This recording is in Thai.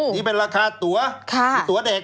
นี่เป็นราคาตัวเด็ก